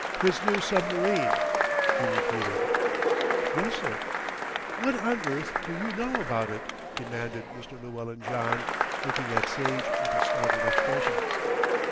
"His new submarine," he repeated. "Yes, sir." "What on earth do you know about it?" demanded Mr. Llewellyn John, looking at Sage with a startled expression.